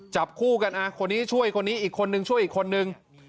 จับคู่กันคนนี้ช่วยคนนี้อีกคนนึงช่วยอีกคนนึง